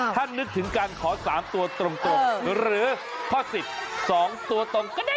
ถ้านึกถึงการขอ๓ตัวตรงหรือข้อ๑๐๒ตัวตรงก็ได้